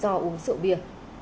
họ uống rượu bia